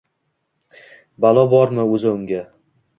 Balo bormi o`zi unga